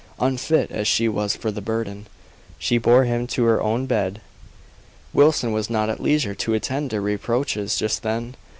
Unfit as she was for the burden, she bore him to her own bed. Wilson was not at leisure to attend to reproaches just then.